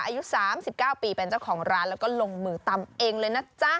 อายุ๓๙ปีเป็นเจ้าของร้านแล้วก็ลงมือตำเองเลยนะจ๊ะ